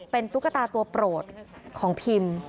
เป็นตุ๊กตาตัวโปรดของพิม